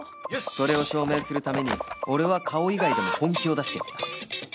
それを証明するために俺は顔以外でも本気を出してやった